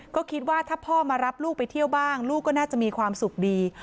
ก็คิดว่าถ้าพ่อมารับลูกไปเที่ยวบ้างลูกก็น่าจะมีความสุขดี